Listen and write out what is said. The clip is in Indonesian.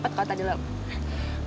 gak ada yang mau nanya